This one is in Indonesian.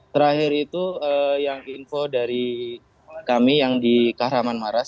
terakhir itu yang info dari kami yang di kahraman maras